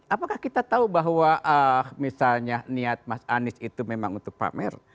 apakah kita tahu bahwa misalnya niat mas anies itu memang untuk pamer